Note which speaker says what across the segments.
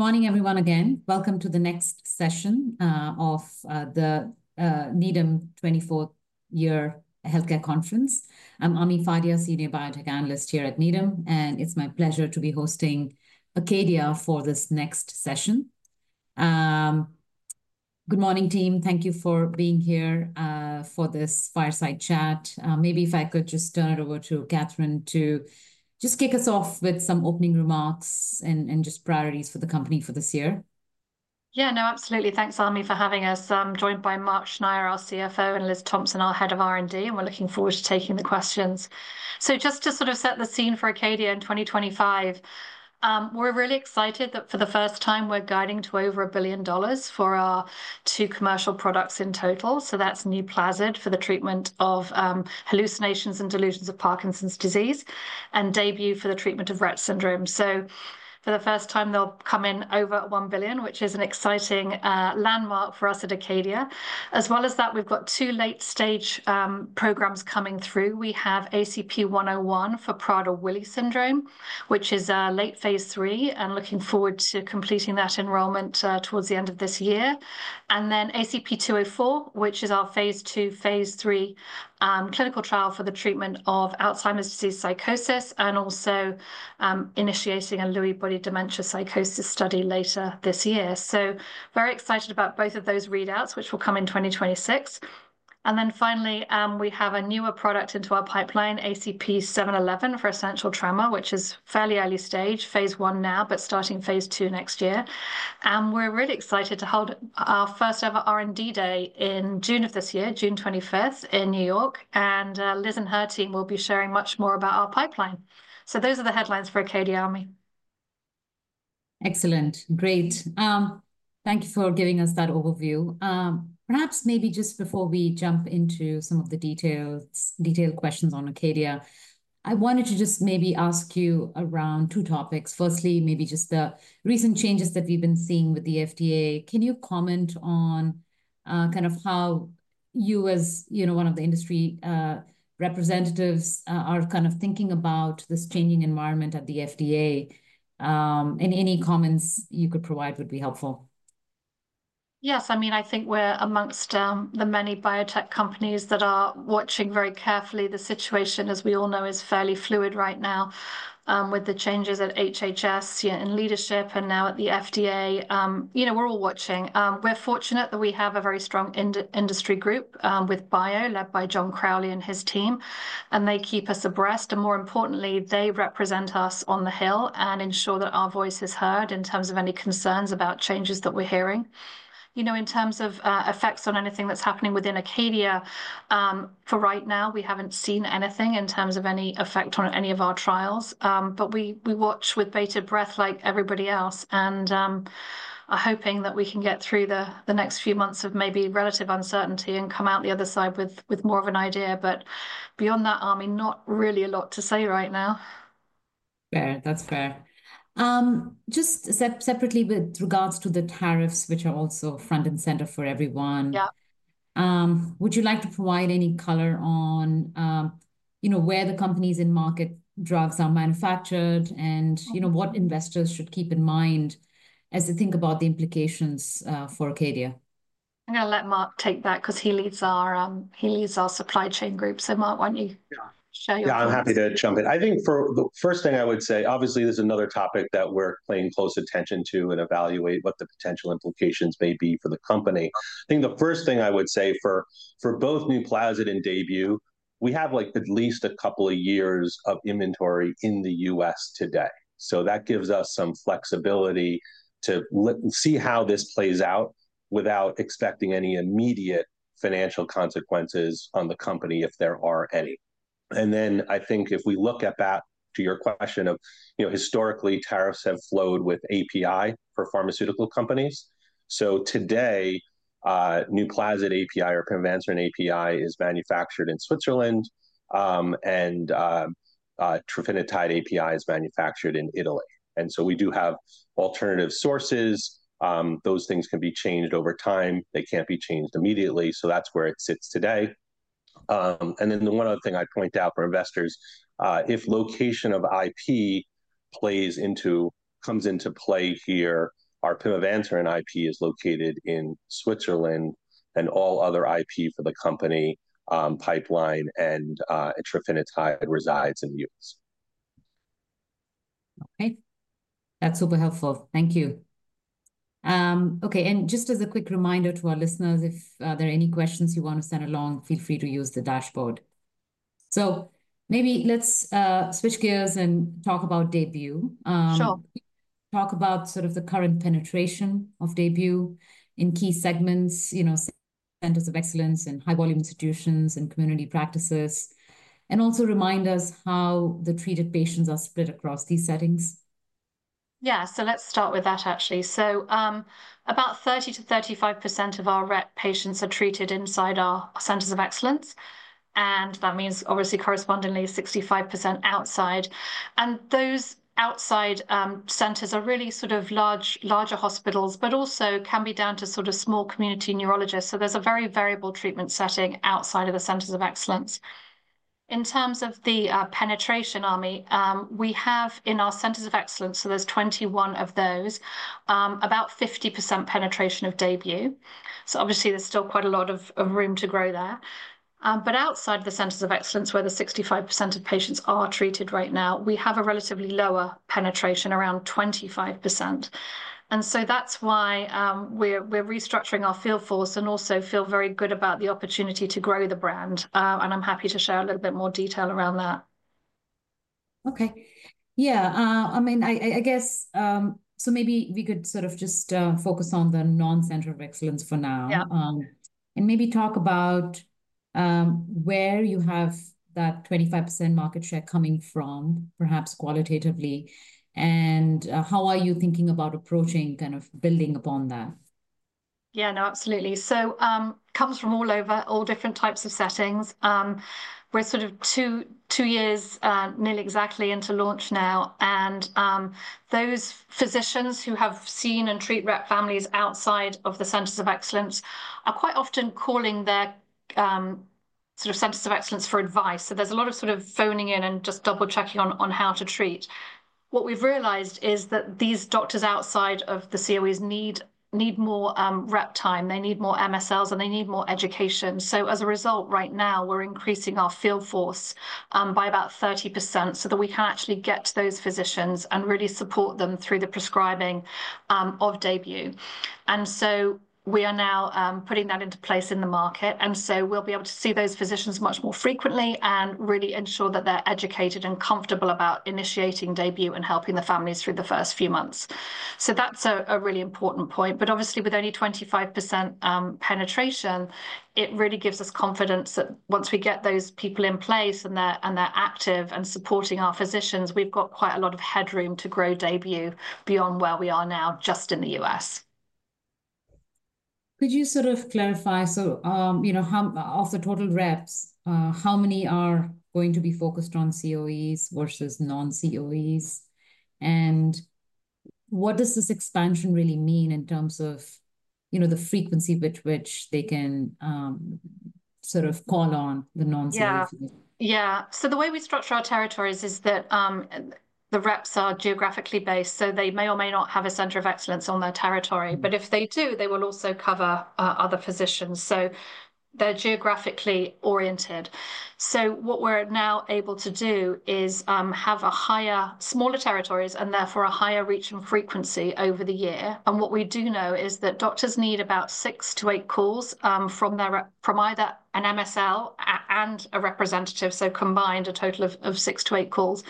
Speaker 1: Good morning, everyone, again. Welcome to the next session of the Needham 24th Year Healthcare Conference. I'm Ami Fadia, Senior Biotech Analyst here at Needham, and it's my pleasure to be hosting Acadia for this next session. Good morning, team. Thank you for being here for this fireside chat. Maybe if I could just turn it over to Catherine to just kick us off with some opening remarks and just priorities for the company for this year.
Speaker 2: Yeah, no, absolutely. Thanks, Ami, for having us. I'm joined by Mark Schneyer, our CFO, and Liz Thompson, our Head of R&D, and we're looking forward to taking the questions. Just to sort of set the scene for Acadia in 2025, we're really excited that for the first time we're guiding to over $1 billion for our two commercial products in total. That's Nuplazid for the treatment of hallucinations and delusions of Parkinson's disease and Daybue for the treatment of Rett syndrome. For the first time, they'll come in over $1 billion, which is an exciting landmark for us at Acadia. As well as that, we've got two late stage programs coming through. We have ACP-101 for Prader-Willi syndrome, which is a late phase III, and looking forward to completing that enrollment towards the end of this year. ACP-204, which is our phase II, phase III clinical trial for the treatment of Alzheimer's disease psychosis and also initiating a Lewy body dementia psychosis study later this year. Very excited about both of those readouts, which will come in 2026. Finally, we have a newer product into our pipeline, ACP-711 for essential tremor, which is fairly early stage, phase I now, but starting phase II next year. We are really excited to hold our first ever R&D day in June of this year, June 21 in New York, and Liz and her team will be sharing much more about our pipeline. Those are the headlines for Acadia, Ami.
Speaker 1: Excellent. Great. Thank you for giving us that overview. Perhaps maybe just before we jump into some of the details, detailed questions on Acadia, I wanted to just maybe ask you around two topics. Firstly, maybe just the recent changes that we've been seeing with the FDA. Can you comment on, kind of how you, as you know, one of the industry representatives, are kind of thinking about this changing environment at the FDA? Any comments you could provide would be helpful.
Speaker 2: Yes, I mean, I think we're amongst the many biotech companies that are watching very carefully. The situation, as we all know, is fairly fluid right now, with the changes at HHS, you know, in leadership and now at the FDA. You know, we're all watching. We're fortunate that we have a very strong industry group, with BIO led by John Crowley and his team, and they keep us abreast. More importantly, they represent us on the Hill and ensure that our voice is heard in terms of any concerns about changes that we're hearing. You know, in terms of effects on anything that's happening within Acadia, for right now, we haven't seen anything in terms of any effect on any of our trials. We watch with bated breath like everybody else and are hoping that we can get through the next few months of maybe relative uncertainty and come out the other side with more of an idea. Beyond that, Ami, not really a lot to say right now.
Speaker 1: Fair. That's fair. Just separately with regards to the tariffs, which are also front and center for everyone.
Speaker 2: Yeah.
Speaker 1: Would you like to provide any color on, you know, where the company's in-market drugs are manufactured and, you know, what investors should keep in mind as they think about the implications, for Acadia?
Speaker 2: I'm going to let Mark take that because he leads our, he leads our supply chain group. Mark, why don't you share your thoughts?
Speaker 3: Yeah, I'm happy to jump in. I think the first thing I would say, obviously there's another topic that we're paying close attention to and evaluate what the potential implications may be for the company. I think the first thing I would say for both Nuplazid and Daybue, we have at least a couple of years of inventory in the U.S. today. That gives us some flexibility to see how this plays out without expecting any immediate financial consequences on the company if there are any. I think if we look at that to your question of, you know, historically tariffs have flowed with API for pharmaceutical companies. Today, Nuplazid API or pimavanserin API is manufactured in Switzerland, and trofinetide API is manufactured in Italy. We do have alternative sources. Those things can be changed over time. They can't be changed immediately. That is where it sits today. And then the one other thing I'd point out for investors, if location of IP comes into play here, our prevention IP is located in Switzerland and all other IP for the company, pipeline, and trofinetide resides in the U.S..
Speaker 1: Okay. That's super helpful. Thank you. Okay. And just as a quick reminder to our listeners, if there are any questions you want to send along, feel free to use the dashboard. Maybe let's switch gears and talk about Daybue.
Speaker 2: Sure.
Speaker 1: Talk about sort of the current penetration of Daybue in key segments, you know, Centers of Excellence and high volume institutions and community practices, and also remind us how the treated patients are split across these settings.
Speaker 2: Yeah. Let's start with that actually. About 30-35% of our Rett patients are treated inside our Centers of Excellence. That means, obviously, correspondingly 65% outside. Those outside centers are really sort of large, larger hospitals, but also can be down to sort of small community neurologists. There is a very variable treatment setting outside of the Centers of Excellence. In terms of the penetration, Ami, we have in our Centers of Excellence, so there are 21 of those, about 50% penetration of Daybue. Obviously, there is still quite a lot of room to grow there. Outside the Centers of Excellence, where the 65% of patients are treated right now, we have a relatively lower penetration, around 25%. That is why we are restructuring our field force and also feel very good about the opportunity to grow the brand. I'm happy to share a little bit more detail around that.
Speaker 1: Okay. Yeah. I mean, I guess, so maybe we could sort of just focus on the non-Centers of Excellence for now.
Speaker 2: Yeah.
Speaker 1: and maybe talk about where you have that 25% market share coming from, perhaps qualitatively, and how are you thinking about approaching kind of building upon that?
Speaker 2: Yeah, no, absolutely. Comes from all over, all different types of settings. We're sort of two years, nearly exactly into launch now. Those physicians who have seen and treat Rett families outside of the Centers of Excellence are quite often calling their Centers of Excellence for advice. There is a lot of phoning in and just double checking on how to treat. What we've realized is that these doctors outside of the COEs need more rep time. They need more MSLs and they need more education. As a result, right now we're increasing our field force by about 30% so that we can actually get to those physicians and really support them through the prescribing of Daybue. We are now putting that into place in the market. We will be able to see those physicians much more frequently and really ensure that they're educated and comfortable about initiating Daybue and helping the families through the first few months. That's a really important point. Obviously, with only 25% penetration, it really gives us confidence that once we get those people in place and they're active and supporting our physicians, we've got quite a lot of headroom to grow Daybue beyond where we are now just in the U.S.
Speaker 1: Could you sort of clarify? You know, how of the total reps, how many are going to be focused on COEs versus non-COEs? What does this expansion really mean in terms of, you know, the frequency with which they can, sort of call on the non-COEs?
Speaker 2: Yeah. Yeah. The way we structure our territories is that the reps are geographically based, so they may or may not have a center of excellence in their territory, but if they do, they will also cover other physicians. They are geographically oriented. What we are now able to do is have smaller territories and therefore a higher reach and frequency over the year. What we do know is that doctors need about six to eight calls from either an MSL or a representative, so combined a total of six to eight calls.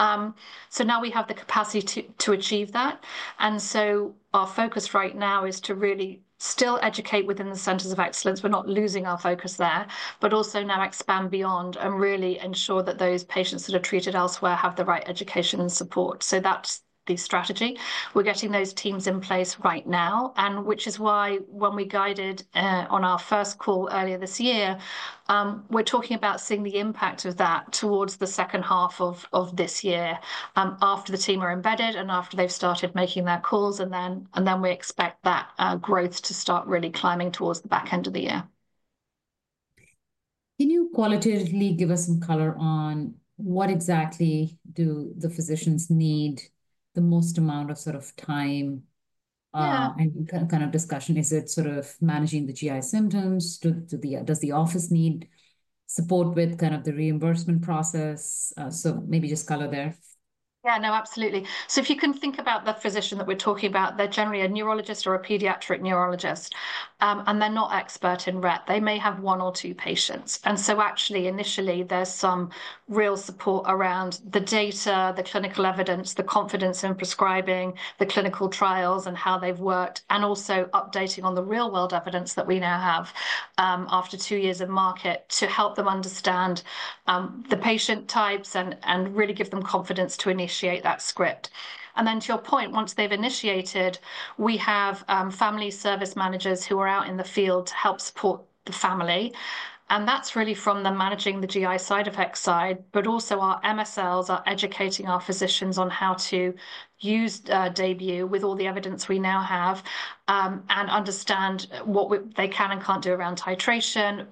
Speaker 2: Now we have the capacity to achieve that. Our focus right now is to really still educate within the centers of excellence. We're not losing our focus there, but also now expand beyond and really ensure that those patients that are treated elsewhere have the right education and support. That's the strategy. We're getting those teams in place right now, which is why when we guided on our first call earlier this year, we're talking about seeing the impact of that towards the second half of this year, after the team are embedded and after they've started making their calls. We expect that growth to start really climbing towards the back end of the year.
Speaker 1: Can you qualitatively give us some color on what exactly do the physicians need the most amount of sort of time, and kind of discussion? Is it sort of managing the GI symptoms? Do the, does the office need support with kind of the reimbursement process? Maybe just color there.
Speaker 2: Yeah, no, absolutely. If you can think about the physician that we're talking about, they're generally a neurologist or a pediatric neurologist, and they're not expert in Rett. They may have one or two patients. Actually, initially there's some real support around the data, the clinical evidence, the confidence in prescribing, the clinical trials and how they've worked, and also updating on the real world evidence that we now have after two years of market to help them understand the patient types and really give them confidence to initiate that script. To your point, once they've initiated, we have family service managers who are out in the field to help support the family. That is really from managing the GI side effect side, but also our MSLs are educating our physicians on how to use Daybue with all the evidence we now have, and understand what they can and cannot do around titration.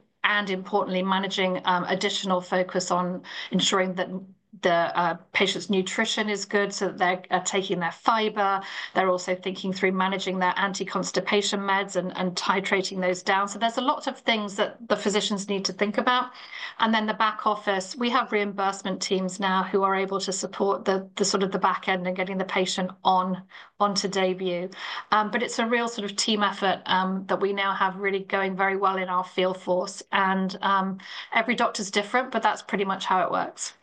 Speaker 2: Importantly, managing, additional focus on ensuring that the patient's nutrition is good so that they are taking their fiber. They are also thinking through managing their anti-constipation meds and titrating those down. There are a lot of things that the physicians need to think about. In the back office, we have reimbursement teams now who are able to support the back end and getting the patient on to Daybue. It is a real team effort that we now have really going very well in our field force. Every doctor's different, but that is pretty much how it works.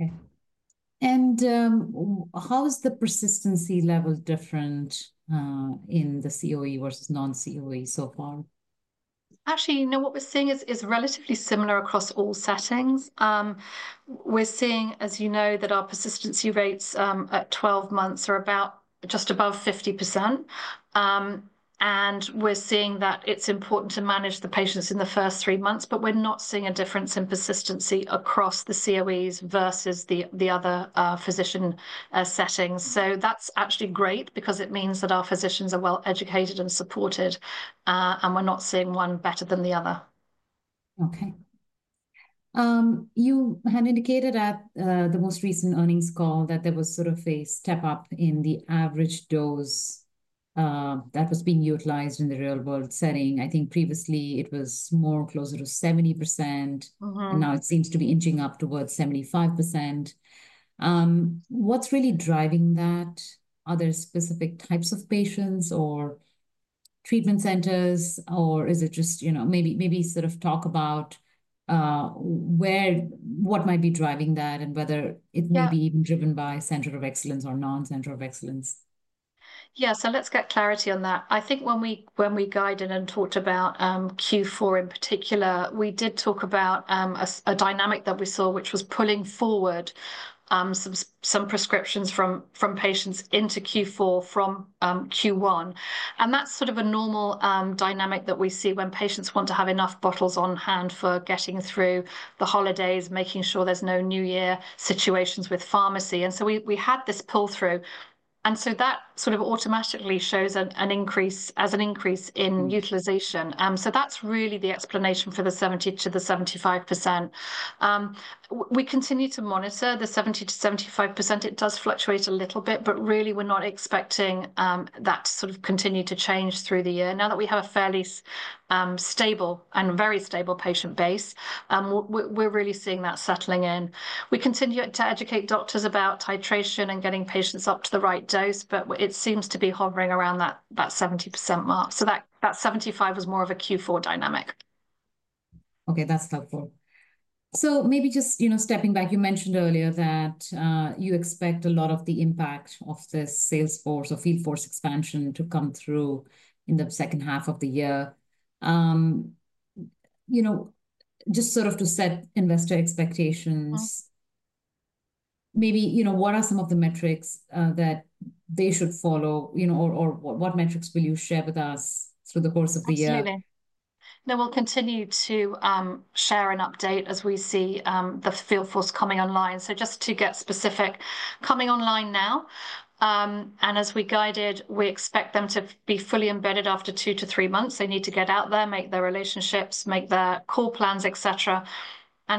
Speaker 1: Okay. How is the persistency level different, in the COE versus non-COE so far?
Speaker 2: Actually, you know, what we're seeing is relatively similar across all settings. We're seeing, as you know, that our persistency rates at 12 months are just above 50%. We're seeing that it's important to manage the patients in the first three months, but we're not seeing a difference in persistency across the COEs versus the other physician settings. That's actually great because it means that our physicians are well educated and supported, and we're not seeing one better than the other.
Speaker 1: Okay. You had indicated at the most recent earnings call that there was sort of a step up in the average dose that was being utilized in the real world setting. I think previously it was more closer to 70%.
Speaker 2: Mm-hmm.
Speaker 1: It now seems to be inching up towards 75%. What's really driving that? Are there specific types of patients or treatment centers, or is it just, you know, maybe, maybe sort of talk about where, what might be driving that and whether it may be even driven by center of excellence or non-center of excellence?
Speaker 2: Yeah. So let's get clarity on that. I think when we, when we guided and talked about Q4 in particular, we did talk about a dynamic that we saw, which was pulling forward some prescriptions from patients into Q4 from Q1. That is sort of a normal dynamic that we see when patients want to have enough bottles on hand for getting through the holidays, making sure there's no New Year situations with pharmacy. We had this pull through. That sort of automatically shows an increase as an increase in utilization. That is really the explanation for the 70-75%. We continue to monitor the 70-75%. It does fluctuate a little bit, but really we're not expecting that to sort of continue to change through the year. Now that we have a fairly stable and very stable patient base, we're really seeing that settling in. We continue to educate doctors about titration and getting patients up to the right dose, but it seems to be hovering around that 70% mark. That 75% was more of a Q4 dynamic.
Speaker 1: Okay. That's helpful. Maybe just, you know, stepping back, you mentioned earlier that you expect a lot of the impact of this sales force or field force expansion to come through in the second half of the year. You know, just sort of to set investor expectations, maybe, you know, what are some of the metrics that they should follow, you know, or what metrics will you share with us through the course of the year?
Speaker 2: Absolutely. No, we'll continue to share and update as we see the field force coming online. Just to get specific, coming online now, and as we guided, we expect them to be fully embedded after two to three months. They need to get out there, make their relationships, make their call plans, et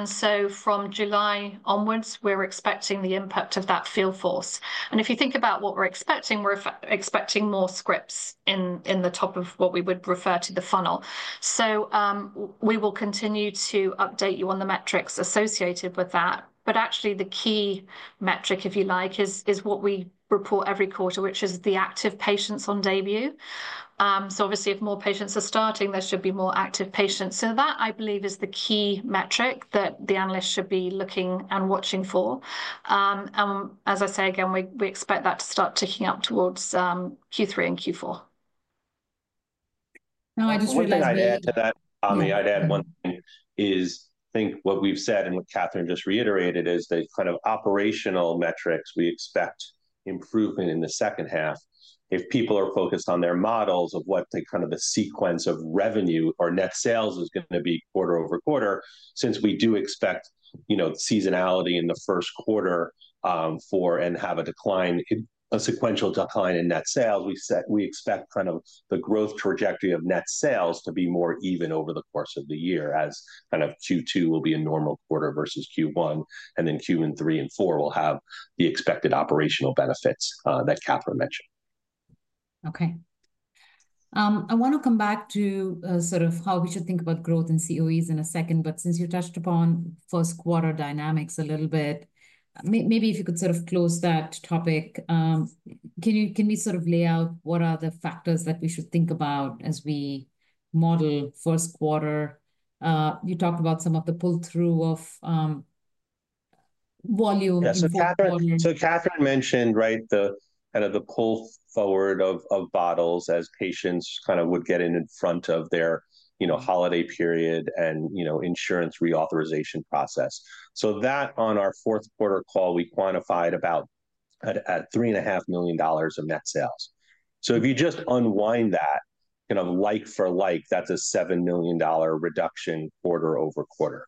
Speaker 2: cetera. From July onwards, we're expecting the impact of that field force. If you think about what we're expecting, we're expecting more scripts in the top of what we would refer to as the funnel. We will continue to update you on the metrics associated with that. Actually, the key metric, if you like, is what we report every quarter, which is the active patients on Daybue. Obviously, if more patients are starting, there should be more active patients. I believe that is the key metric that the analysts should be looking and watching for. As I say again, we expect that to start ticking up towards Q3 and Q4.
Speaker 3: No, I just would like to add to that, Ami. I'd add one thing is I think what we've said and what Catherine just reiterated is the kind of operational metrics we expect improvement in the second half. If people are focused on their models of what the kind of the sequence of revenue or net sales is gonna be quarter over quarter, since we do expect, you know, seasonality in the first quarter, for and have a decline, a sequential decline in net sales, we set, we expect kind of the growth trajectory of net sales to be more even over the course of the year as kind of Q2 will be a normal quarter versus Q1, and then Q3 and Q4 will have the expected operational benefits, that Catherine mentioned.
Speaker 1: Okay. I wanna come back to, sort of how we should think about growth in COEs in a second, but since you touched upon first quarter dynamics a little bit, maybe if you could sort of close that topic, can you, can we sort of lay out what are the factors that we should think about as we model first quarter? You talked about some of the pull through of, volume.
Speaker 3: Yeah. So Catherine mentioned, right, the kind of the pull forward of bottles as patients kind of would get in in front of their, you know, holiday period and, you know, insurance reauthorization process. So that on our fourth quarter call, we quantified about at $3.5 million of net sales. So if you just unwind that kind of like for like, that's a $7 million reduction quarter over quarter.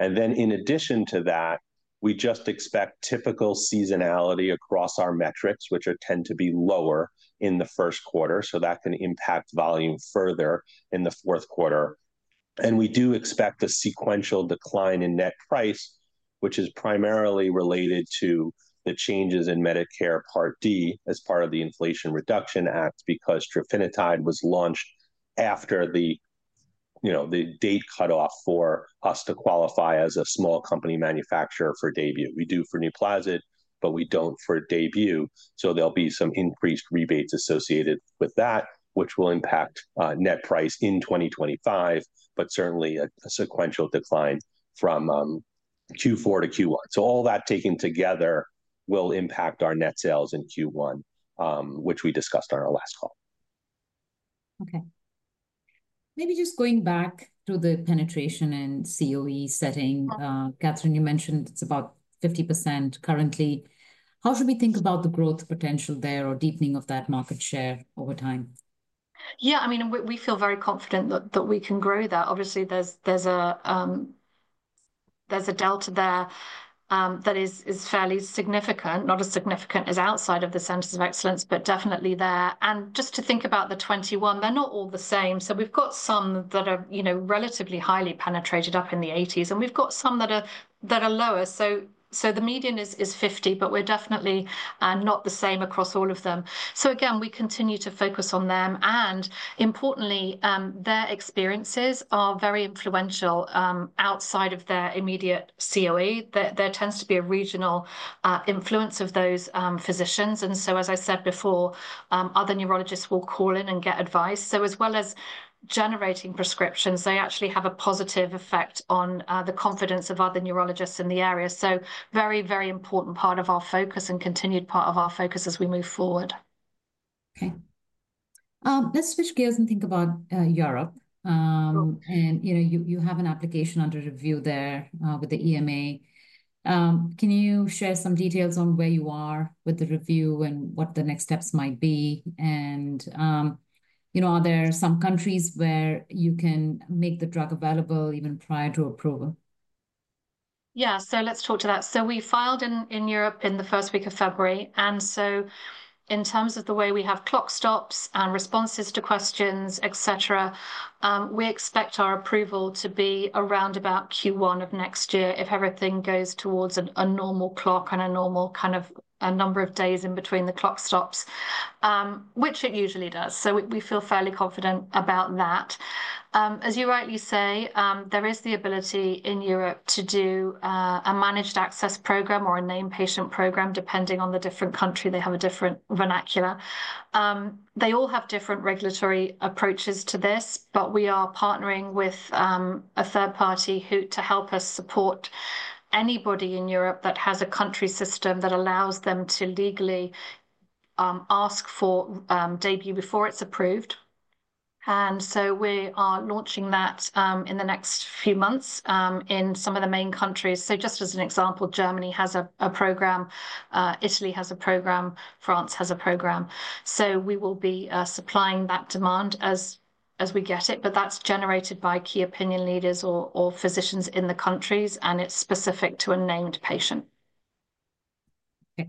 Speaker 3: And then in addition to that, we just expect typical seasonality across our metrics, which tend to be lower in the first quarter. So that can impact volume further in the fourth quarter. We do expect a sequential decline in net price, which is primarily related to the changes in Medicare Part D as part of the Inflation Reduction Act, because trofinetide was launched after the, you know, the date cutoff for us to qualify as a small company manufacturer for Daybue. We do for Nuplazid, but we do not for Daybue. There will be some increased rebates associated with that, which will impact net price in 2025, but certainly a sequential decline from Q4 to Q1. All that taken together will impact our net sales in Q1, which we discussed on our last call.
Speaker 1: Okay. Maybe just going back to the penetration and COE setting, Catherine, you mentioned it's about 50% currently. How should we think about the growth potential there or deepening of that market share over time?
Speaker 2: Yeah, I mean, we feel very confident that we can grow that. Obviously there's a delta there that is fairly significant, not as significant as outside of the Centers of Excellence, but definitely there. Just to think about the 21, they're not all the same. We've got some that are, you know, relatively highly penetrated up in the eighties, and we've got some that are lower. The median is 50, but we're definitely not the same across all of them. We continue to focus on them. Importantly, their experiences are very influential outside of their immediate COE. There tends to be a regional influence of those physicians. As I said before, other neurologists will call in and get advice. As well as generating prescriptions, they actually have a positive effect on the confidence of other neurologists in the area. Very, very important part of our focus and continued part of our focus as we move forward.
Speaker 1: Okay. Let's switch gears and think about Europe. And you know, you have an application under review there with the EMA. Can you share some details on where you are with the review and what the next steps might be? And, you know, are there some countries where you can make the drug available even prior to approval?
Speaker 2: Yeah. Let's talk to that. We filed in Europe in the first week of February. In terms of the way we have clock stops and responses to questions, et cetera, we expect our approval to be around about Q1 of next year if everything goes towards a normal clock and a normal kind of number of days in between the clock stops, which it usually does. We feel fairly confident about that. As you rightly say, there is the ability in Europe to do a managed access program or a named patient program depending on the different country. They have a different vernacular. They all have different regulatory approaches to this, but we are partnering with a third party to help us support anybody in Europe that has a country system that allows them to legally ask for Daybue before it's approved. We are launching that in the next few months in some of the main countries. Just as an example, Germany has a program, Italy has a program, France has a program. We will be supplying that demand as we get it, but that's generated by key opinion leaders or physicians in the countries, and it's specific to a named patient.
Speaker 1: Okay.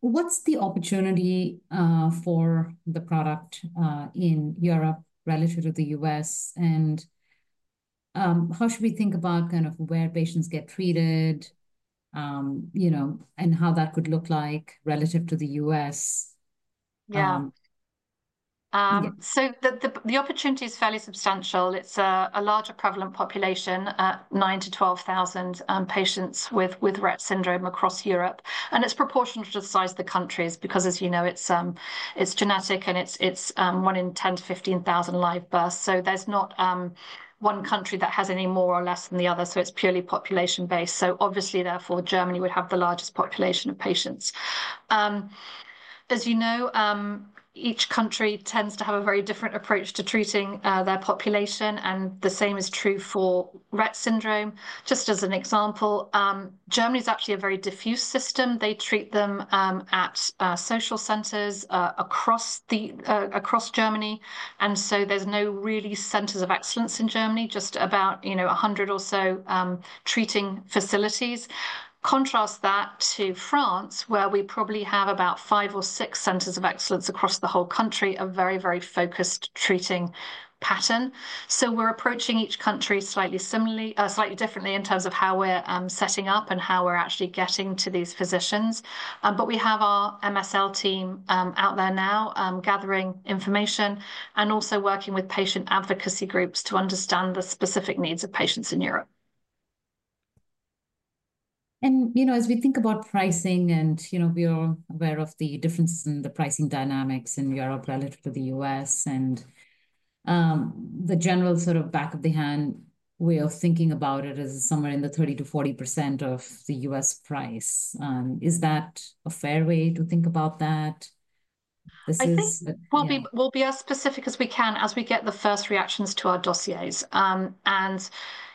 Speaker 1: What's the opportunity for the product in Europe relative to the U.S.? And how should we think about kind of where patients get treated, you know, and how that could look like relative to the U.S.?
Speaker 2: Yeah. The opportunity is fairly substantial. It's a larger prevalent population at 9,000-12,000 patients with Rett syndrome across Europe. It's proportional to the size of the countries because, as you know, it's genetic and it's one in 10,000 to 15,000 live births. There's not one country that has any more or less than the other. It's purely population based. Obviously, therefore, Germany would have the largest population of patients. As you know, each country tends to have a very different approach to treating their population. The same is true for Rett syndrome. Just as an example, Germany's actually a very diffuse system. They treat them at social centers across Germany. There's no really centers of excellence in Germany, just about, you know, 100 or so treating facilities. Contrast that to France, where we probably have about five or six Centers of Excellence across the whole country, a very, very focused treating pattern. We are approaching each country slightly similarly, slightly differently in terms of how we are setting up and how we are actually getting to these physicians. We have our MSL team out there now, gathering information and also working with patient advocacy groups to understand the specific needs of patients in Europe.
Speaker 1: You know, as we think about pricing and, you know, we are aware of the differences in the pricing dynamics in Europe relative to the U.S., the general sort of back of the hand way of thinking about it is somewhere in the 30-40% of the U.S. price. Is that a fair way to think about that?
Speaker 2: I think we'll be, we'll be as specific as we can as we get the first reactions to our dossiers. And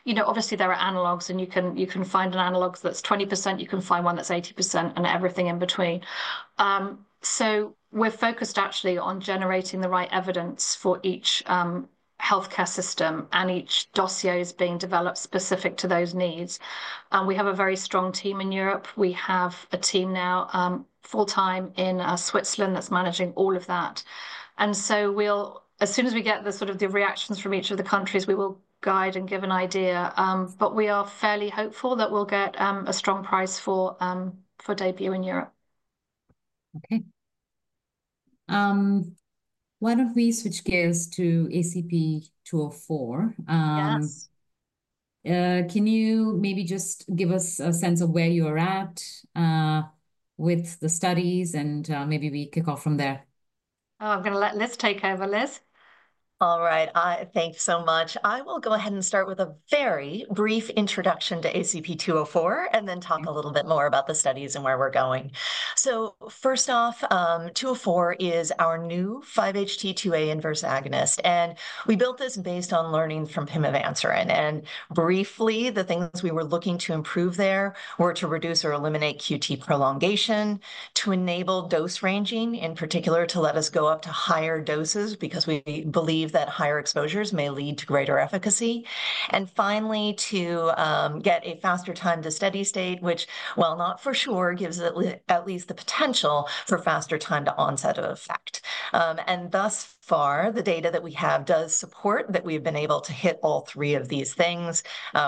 Speaker 2: you know, obviously there are analogs and you can, you can find an analog that's 20%, you can find one that's 80% and everything in between. So we're focused actually on generating the right evidence for each healthcare system and each dossier is being developed specific to those needs. We have a very strong team in Europe. We have a team now, full-time in Switzerland that's managing all of that. And so we'll, as soon as we get the sort of the reactions from each of the countries, we will guide and give an idea. But we are fairly hopeful that we'll get a strong price for Daybue in Europe.
Speaker 1: Okay. Why don't we switch gears to ACP-204? Can you maybe just give us a sense of where you are at with the studies, and maybe we kick off from there?
Speaker 2: Oh, I'm gonna let Liz take over, Liz.
Speaker 4: All right. I thank you so much. I will go ahead and start with a very brief introduction to ACP-204 and then talk a little bit more about the studies and where we're going. First off, 204 is our new 5-HT2A inverse agonist. We built this based on learning from Nuplazid. Briefly, the things we were looking to improve there were to reduce or eliminate QT prolongation, to enable dose ranging in particular, to let us go up to higher doses because we believe that higher exposures may lead to greater efficacy. Finally, to get a faster time to steady state, which, while not for sure, gives at least the potential for faster time to onset of effect. Thus far, the data that we have does support that we've been able to hit all three of these things.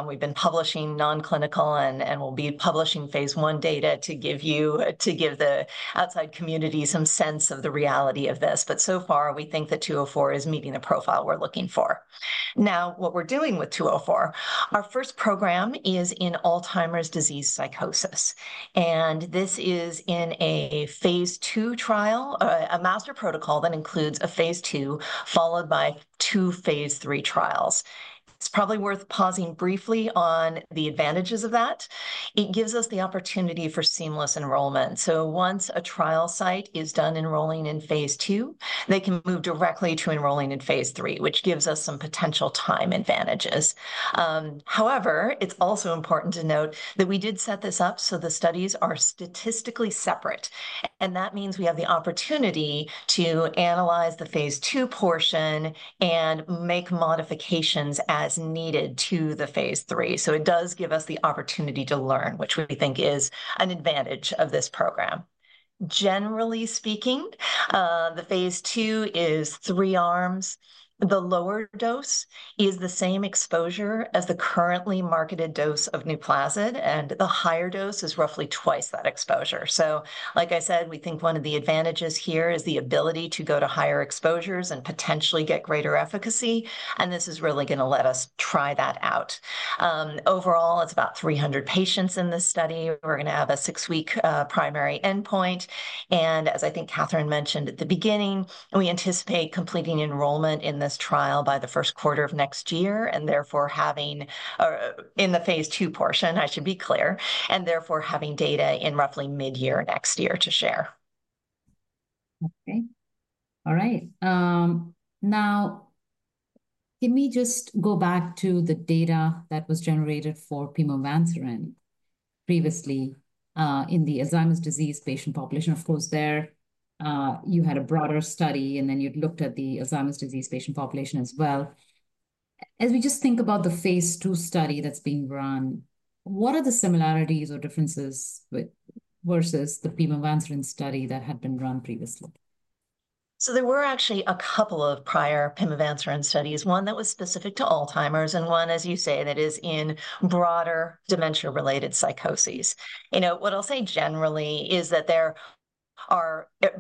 Speaker 4: We've been publishing non-clinical and, and we'll be publishing phase I data to give you, to give the outside community some sense of the reality of this. But so far, we think that 204 is meeting the profile we're looking for. Now, what we're doing with 204, our first program is in Alzheimer's disease psychosis. And this is in a phase II trial, a master protocol that includes a phase II followed by two phase III trials. It's probably worth pausing briefly on the advantages of that. It gives us the opportunity for seamless enrollment. So once a trial site is done enrolling in phase II, they can move directly to enrolling in phase III, which gives us some potential time advantages. However, it's also important to note that we did set this up so the studies are statistically separate. That means we have the opportunity to analyze the phase II portion and make modifications as needed to the phase III. It does give us the opportunity to learn, which we think is an advantage of this program. Generally speaking, the phase II is three arms. The lower dose is the same exposure as the currently marketed dose of Nuplazid, and the higher dose is roughly twice that exposure. Like I said, we think one of the advantages here is the ability to go to higher exposures and potentially get greater efficacy. This is really gonna let us try that out. Overall, it's about 300 patients in this study. We're gonna have a six-week, primary endpoint. As I think Katherine mentioned at the beginning, we anticipate completing enrollment in this trial by the first quarter of next year and therefore having, in the phase II portion, I should be clear, and therefore having data in roughly mid-year next year to share.
Speaker 1: Okay. All right. Now can we just go back to the data that was generated for Nuplazid previously, in the Alzheimer's disease patient population? Of course, there, you had a broader study and then you'd looked at the Alzheimer's disease patient population as well. As we just think about the phase II study that's being run, what are the similarities or differences with versus the Nuplazid study that had been run previously?
Speaker 4: There were actually a couple of prior pimavanserin studies, one that was specific to Alzheimer's and one, as you say, that is in broader dementia-related psychoses. You know, what I'll say generally is that there are,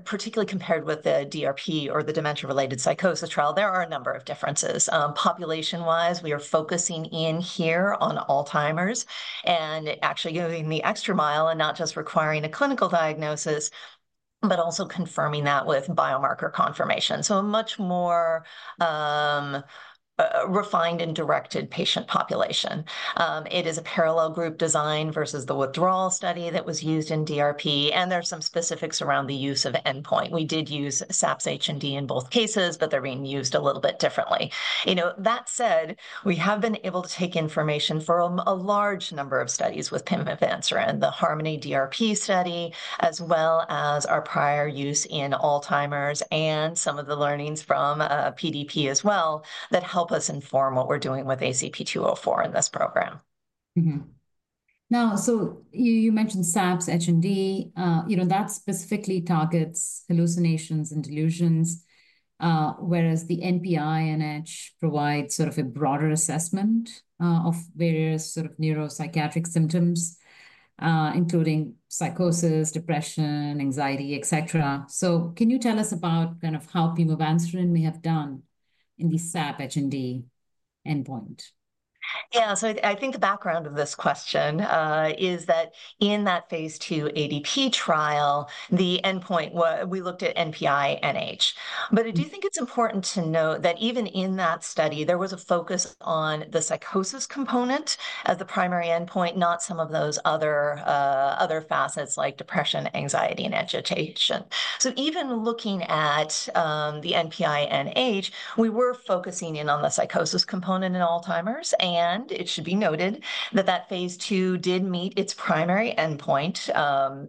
Speaker 4: particularly compared with the DRP or the dementia-related psychosis trial, there are a number of differences. Population-wise, we are focusing in here on Alzheimer's and actually going the extra mile and not just requiring a clinical diagnosis, but also confirming that with biomarker confirmation. So a much more refined and directed patient population. It is a parallel group design versus the withdrawal study that was used in DRP, and there's some specifics around the use of endpoint. We did use SAPS-H+D in both cases, but they're being used a little bit differently. You know, that said, we have been able to take information from a large number of studies with Nuplazid and the Harmony DRP study, as well as our prior use in Alzheimer's and some of the learnings from PDP as well that help us inform what we're doing with ACP-204 in this program.
Speaker 1: Mm-hmm. Now, you mentioned SAPS-H+D, you know, that specifically targets hallucinations and delusions, whereas the NPI-NH provides sort of a broader assessment of various sort of neuropsychiatric symptoms, including psychosis, depression, anxiety, et cetera. Can you tell us about kind of how pimavanserin may have done in the SAPS-H+D endpoint?
Speaker 4: Yeah. I think the background of this question is that in that phase II ADP trial, the endpoint, what we looked at, NPI-NH. I do think it's important to note that even in that study, there was a focus on the psychosis component as the primary endpoint, not some of those other facets like depression, anxiety, and agitation. Even looking at the NPI-NH, we were focusing in on the psychosis component in Alzheimer's. It should be noted that that phase II did meet its primary endpoint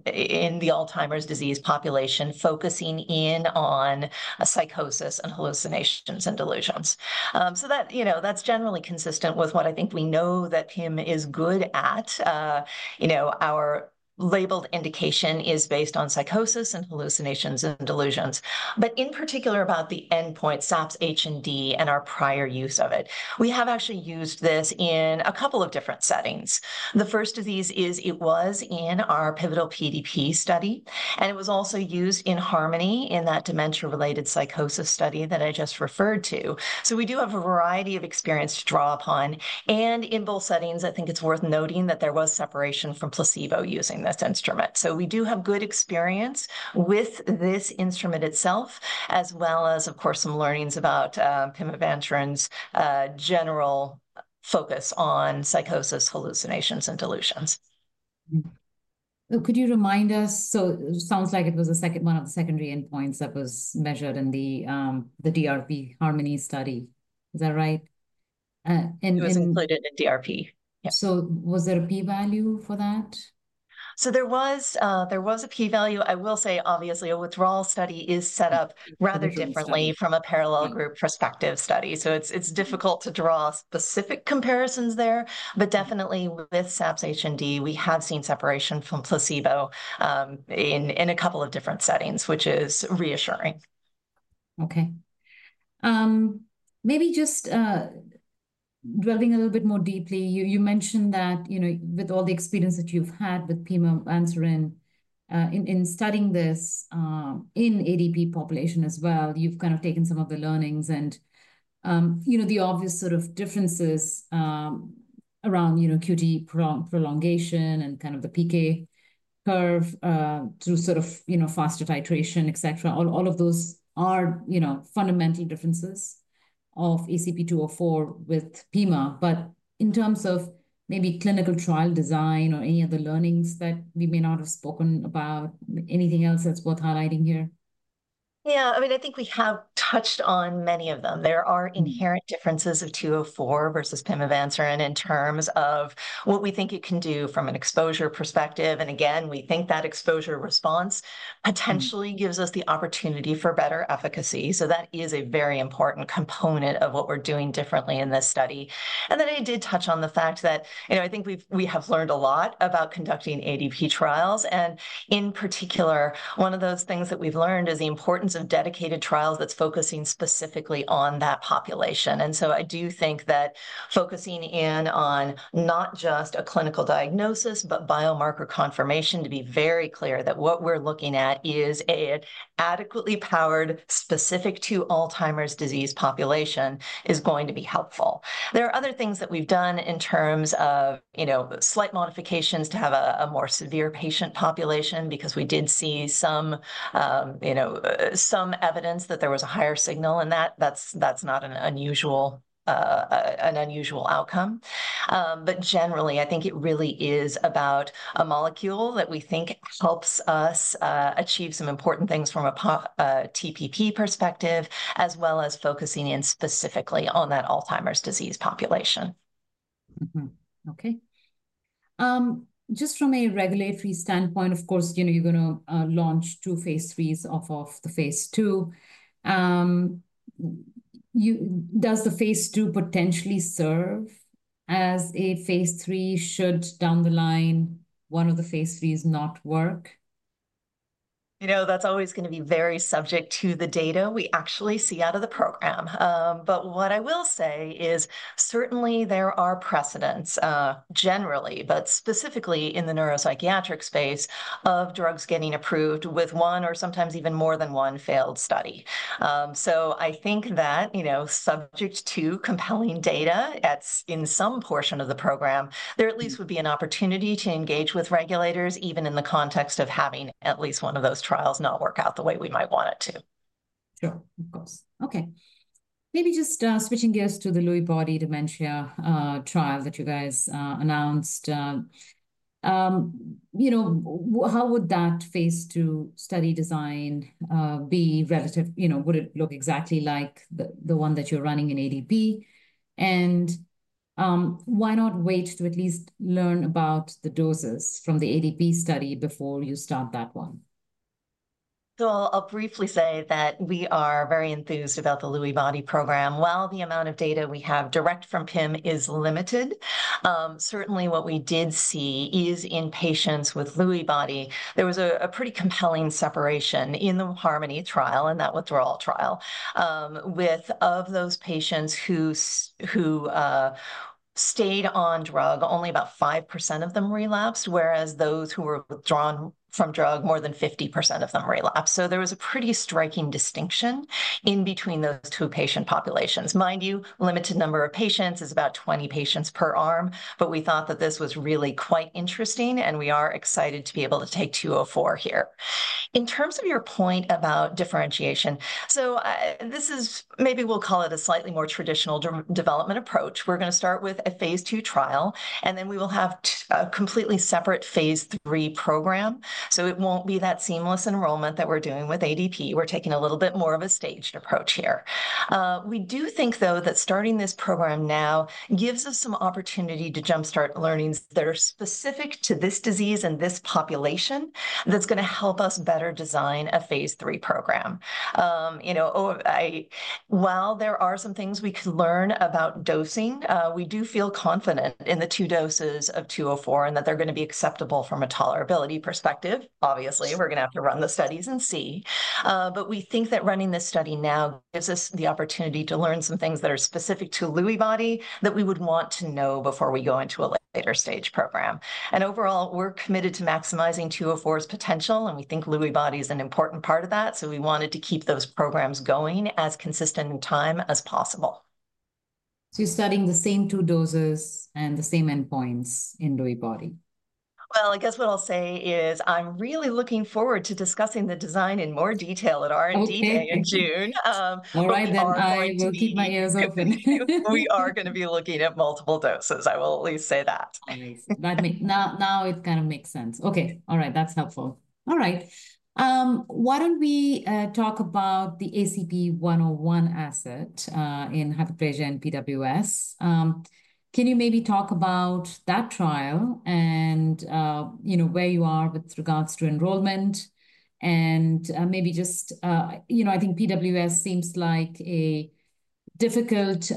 Speaker 4: in the Alzheimer's disease population, focusing in on psychosis and hallucinations and delusions. That, you know, that's generally consistent with what I think we know that Pim is good at. You know, our labeled indication is based on psychosis and hallucinations and delusions, but in particular about the endpoint SAPS-H+D and our prior use of it. We have actually used this in a couple of different settings. The first of these is it was in our pivotal PDP study, and it was also used in Harmony in that dementia-related psychosis study that I just referred to. We do have a variety of experience to draw upon. In both settings, I think it's worth noting that there was separation from placebo using this instrument. We do have good experience with this instrument itself, as well as, of course, some learnings about Nuplazid's general focus on psychosis, hallucinations, and delusions.
Speaker 1: Could you remind us, it sounds like it was a second, one of the secondary endpoints that was measured in the DRP Harmony study. Is that right?
Speaker 2: It was included in DRP.
Speaker 1: Yeah. Was there a P value for that?
Speaker 2: There was a P value. I will say, obviously, a withdrawal study is set up rather differently from a parallel group perspective study. It is difficult to draw specific comparisons there, but definitely with SAPS-H+D, we have seen separation from placebo, in a couple of different settings, which is reassuring.
Speaker 1: Okay. Maybe just, dwelling a little bit more deeply, you, you mentioned that, you know, with all the experience that you've had with pimavanserin, in, in studying this, in ADP population as well, you've kind of taken some of the learnings and, you know, the obvious sort of differences, around, you know, QT prolongation and kind of the PK curve, through sort of, you know, faster titration, et cetera. All, all of those are, you know, fundamental differences of ACP-204 with pima. But in terms of maybe clinical trial design or any other learnings that we may not have spoken about, anything else that's worth highlighting here?
Speaker 2: Yeah. I mean, I think we have touched on many of them. There are inherent differences of 204 versus pimavanserin in terms of what we think it can do from an exposure perspective. Again, we think that exposure response potentially gives us the opportunity for better efficacy. That is a very important component of what we're doing differently in this study. I did touch on the fact that, you know, I think we have learned a lot about conducting ADP trials. In particular, one of those things that we've learned is the importance of dedicated trials that's focusing specifically on that population. I do think that focusing in on not just a clinical diagnosis, but biomarker confirmation to be very clear that what we're looking at is an adequately powered specific to Alzheimer's disease population is going to be helpful. There are other things that we've done in terms of, you know, slight modifications to have a more severe patient population because we did see some, you know, some evidence that there was a higher signal and that's, that's not an unusual outcome. Generally I think it really is about a molecule that we think helps us achieve some important things from a TPP perspective, as well as focusing in specifically on that Alzheimer's disease population.
Speaker 1: Mm-hmm. Okay. Just from a regulatory standpoint, of course, you know, you're gonna launch two phase IIIs off of the phase II. You, does the phase II potentially serve as a phase III should down the line one of the phase IIIs not work?
Speaker 2: You know, that's always gonna be very subject to the data we actually see out of the program. But what I will say is certainly there are precedents, generally, but specifically in the neuropsychiatric space of drugs getting approved with one or sometimes even more than one failed study. So I think that, you know, subject to compelling data at in some portion of the program, there at least would be an opportunity to engage with regulators even in the context of having at least one of those trials not work out the way we might want it to.
Speaker 1: Sure. Of course. Okay. Maybe just, switching gears to the Lewy body dementia trial that you guys announced. You know, how would that phase II study design be relative? You know, would it look exactly like the one that you're running in ADP? And, why not wait to at least learn about the doses from the ADP study before you start that one?
Speaker 2: I'll briefly say that we are very enthused about the Lewy body program. While the amount of data we have direct from Pim is limited, certainly what we did see is in patients with Lewy body, there was a pretty compelling separation in the Harmony trial and that withdrawal trial. Of those patients who stayed on drug, only about 5% of them relapsed, whereas those who were withdrawn from drug, more than 50% of them relapsed. There was a pretty striking distinction between those two patient populations. Mind you, limited number of patients is about 20 patients per arm, but we thought that this was really quite interesting and we are excited to be able to take 204 here. In terms of your point about differentiation, this is maybe, we'll call it, a slightly more traditional development approach. We're gonna start with a phase II trial and then we will have a completely separate phase III program. It won't be that seamless enrollment that we're doing with ADP. We're taking a little bit more of a staged approach here. We do think though that starting this program now gives us some opportunity to jumpstart learnings that are specific to this disease and this population that's gonna help us better design a phase III program. You know, while there are some things we could learn about dosing, we do feel confident in the two doses of 204 and that they're gonna be acceptable from a tolerability perspective. Obviously, we're gonna have to run the studies and see. We think that running this study now gives us the opportunity to learn some things that are specific to Lewy body that we would want to know before we go into a later stage program. Overall, we're committed to maximizing 204's potential and we think Lewy body's an important part of that. We wanted to keep those programs going as consistent in time as possible.
Speaker 1: You're studying the same two doses and the same endpoints in Lewy body?
Speaker 2: I guess what I'll say is I'm really looking forward to discussing the design in more detail at R&D Day in June.
Speaker 1: All right, then I will keep my ears open.
Speaker 2: We are gonna be looking at multiple doses. I will at least say that.
Speaker 1: Nice. That makes, now, now it kind of makes sense. Okay. All right. That's helpful. All right. Why don't we talk about the ACP-101 asset, in hyperphagia and PWS? Can you maybe talk about that trial and, you know, where you are with regards to enrollment and, maybe just, you know, I think PWS seems like a difficult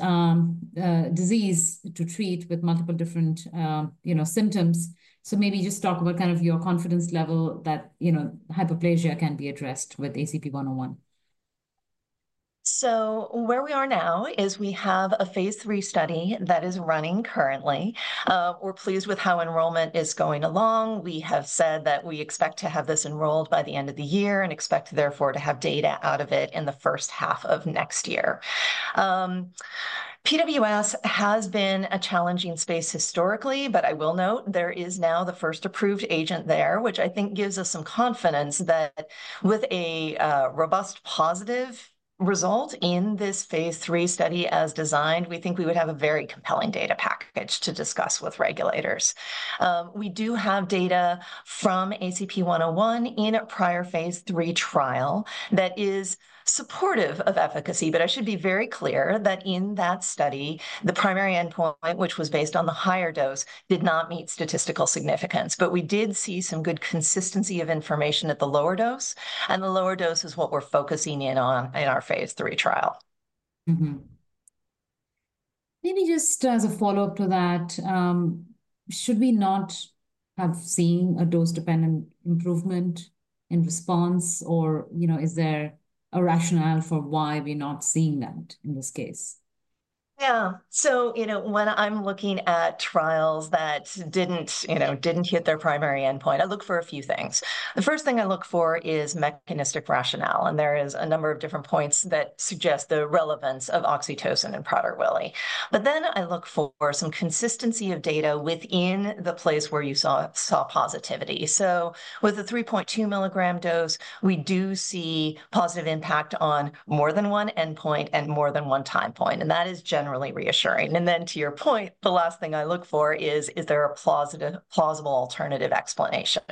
Speaker 1: disease to treat with multiple different, you know, symptoms. So maybe just talk about kind of your confidence level that, you know, hyperphagia can be addressed with ACP-101.
Speaker 2: Where we are now is we have a phase III study that is running currently. We're pleased with how enrollment is going along. We have said that we expect to have this enrolled by the end of the year and expect therefore to have data out of it in the first half of next year. PWS has been a challenging space historically, but I will note there is now the first approved agent there, which I think gives us some confidence that with a robust positive result in this phase III study as designed, we think we would have a very compelling data package to discuss with regulators. We do have data from ACP-101 in a prior phase III trial that is supportive of efficacy, but I should be very clear that in that study, the primary endpoint, which was based on the higher dose, did not meet statistical significance. We did see some good consistency of information at the lower dose. The lower dose is what we're focusing in on in our phase III trial.
Speaker 1: Maybe just as a follow-up to that, should we not have seen a dose-dependent improvement in response or, you know, is there a rationale for why we are not seeing that in this case?
Speaker 2: Yeah. You know, when I'm looking at trials that didn't, you know, didn't hit their primary endpoint, I look for a few things. The first thing I look for is mechanistic rationale. There is a number of different points that suggest the relevance of oxytocin in Prader-Willi. I look for some consistency of data within the place where you saw positivity. With a 3.2 milligram dose, we do see positive impact on more than one endpoint and more than one time point. That is generally reassuring. To your point, the last thing I look for is, is there a plausible, plausible alternative explanation?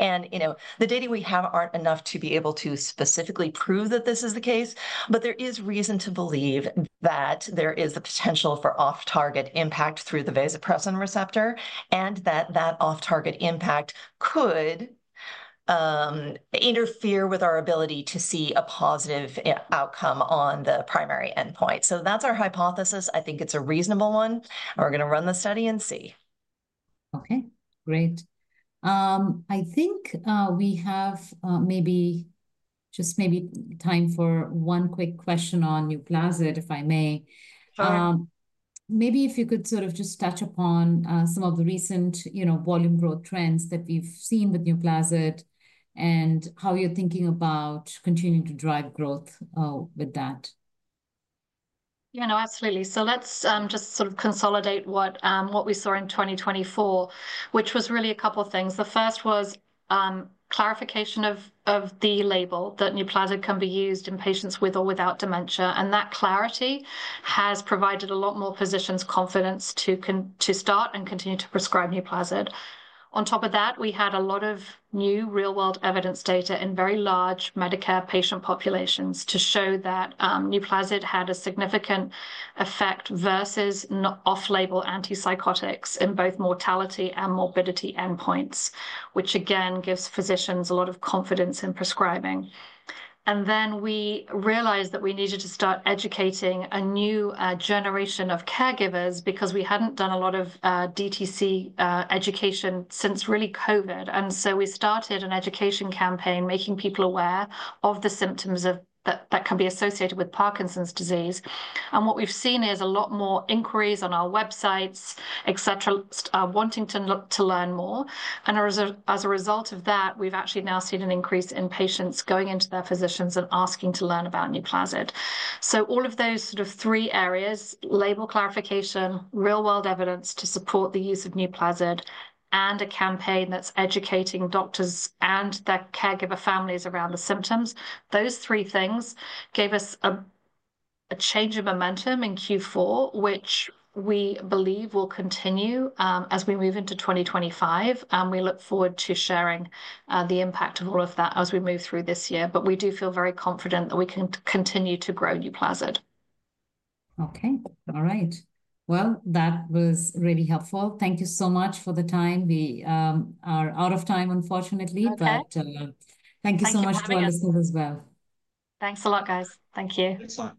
Speaker 2: You know, the data we have aren't enough to be able to specifically prove that this is the case, but there is reason to believe that there is the potential for off-target impact through the vasopressin receptor and that that off-target impact could interfere with our ability to see a positive outcome on the primary endpoint. That is our hypothesis. I think it is a reasonable one. We are gonna run the study and see.
Speaker 1: Okay. Great. I think we have maybe just maybe time for one quick question on Nuplazid, if I may.
Speaker 2: Sure.
Speaker 1: Maybe if you could sort of just touch upon, some of the recent, you know, volume growth trends that we've seen with Nuplazid and how you're thinking about continuing to drive growth, with that.
Speaker 2: Yeah, no, absolutely. Let's just sort of consolidate what we saw in 2024, which was really a couple of things. The first was clarification of the label that Nuplazid can be used in patients with or without dementia. That clarity has provided a lot more physicians' confidence to start and continue to prescribe Nuplazid. On top of that, we had a lot of new real-world evidence data in very large Medicare patient populations to show that Nuplazid had a significant effect versus not off-label antipsychotics in both mortality and morbidity endpoints, which again gives physicians a lot of confidence in prescribing. We realized that we needed to start educating a new generation of caregivers because we had not done a lot of DTC education since really COVID. We started an education campaign making people aware of the symptoms of that, that can be associated with Parkinson's disease. What we've seen is a lot more inquiries on our websites, et cetera, wanting to look to learn more. As a result of that, we've actually now seen an increase in patients going into their physicians and asking to learn about Nuplazid. All of those sort of three areas, label clarification, real-world evidence to support the use of Nuplazid, and a campaign that's educating doctors and their caregiver families around the symptoms, those three things gave us a change of momentum in Q4, which we believe will continue as we move into 2025. We look forward to sharing the impact of all of that as we move through this year, but we do feel very confident that we can continue to grow Nuplazid.
Speaker 1: Okay. All right. That was really helpful. Thank you so much for the time. We are out of time, unfortunately, but thank you so much to our listeners as well.
Speaker 2: Thanks a lot, guys. Thank you.